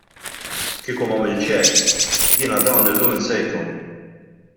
Kieku m'għamiltx hekk, jiena dawn illum insejthom.